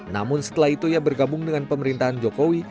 namun setelah itu ia bergabung dengan pemerintahan jokowi